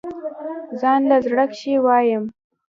ځانله زړۀ کښې وايم